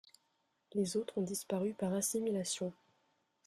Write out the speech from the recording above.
Les autres ont disparu par assimilation.